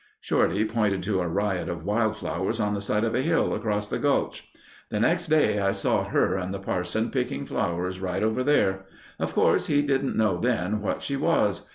'" Shorty pointed to a riot of wild flowers on the side of a hill across the gulch. "The next day I saw her and the Parson picking flowers right over there. Of course he didn't know then what she was.